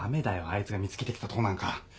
あいつが見つけてきたとこなんか。